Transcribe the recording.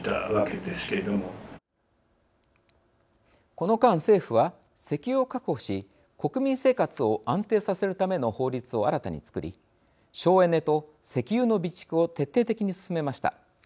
この間、政府は石油を確保し国民生活を安定させるための法律を新たにつくり省エネと、石油の備蓄を徹底的に進めました。